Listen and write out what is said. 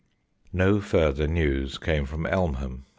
No further news came from Elmham.